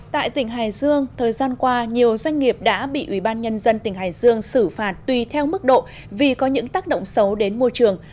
tại tỉnh hải dương thời gian qua nhiều doanh nghiệp đã bị ubnd tỉnh hải dương xử phạt tùy theo mức độ vì có những tác động xấu đến môi trường